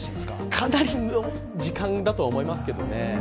かなりの時間だとは思いますけどね。